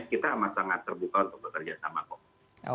kita amat sangat terbuka untuk bekerja sama kok